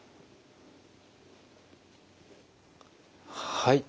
はい。